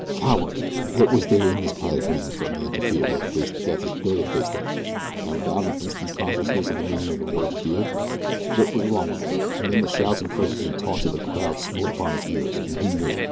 Coward! What was there in this padded ring for a man to fear who had faced death as Billy had faced it, and without an instant's consciousness of the meaning of the word fear? What was wrong with him, and then the shouts and curses and taunts of the crowd smote upon his ears, and he knew.